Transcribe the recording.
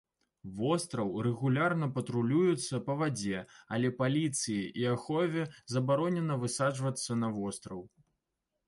Востраў рэгулярна патрулюецца па вадзе, але паліцыі і ахове забаронена высаджвацца на востраў.